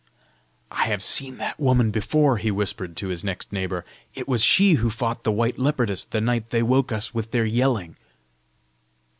"I have seen that woman before!" he whispered to his next neighbour. "It was she who fought the white leopardess, the night they woke us with their yelling!"